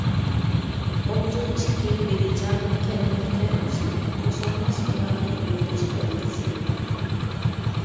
ئوتتۇز ئىككى بېلىجان كەلمەكتە ئۈزۈپ، توسالماس ئۇلارنى ئۈندەش بەلگىسى.